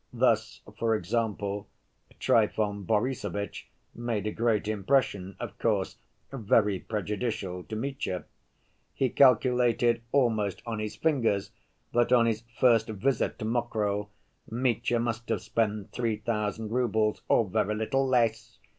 Thus, for example, Trifon Borissovitch made a great impression, of course, very prejudicial to Mitya. He calculated almost on his fingers that on his first visit to Mokroe, Mitya must have spent three thousand roubles, "or very little less.